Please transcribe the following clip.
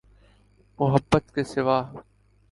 محبت کے سوا۔